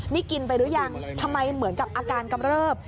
นี่กินไปหรือยังทำไมเหมือนกับอาการกำเริบ